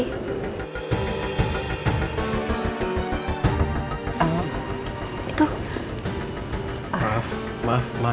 kayak apapun gue mau dicoba sih